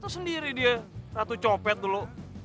ratu sendiri dia ratu copet dulu